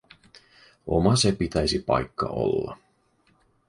Oma se pitäisi paikka olla.